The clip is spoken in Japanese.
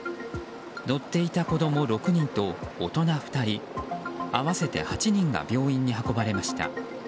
乗っていた子供６人と大人２人合わせて８人が病院に運ばれました。